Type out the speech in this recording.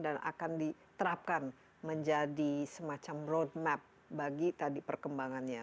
dan akan diterapkan menjadi semacam road map bagi tadi perkembangannya